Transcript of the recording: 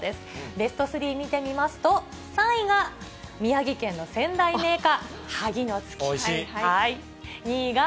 ベスト３見てみますと、３位が宮城県の仙台銘菓、萩の月。